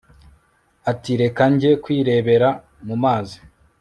ati «reka njye kwirebera mumazi»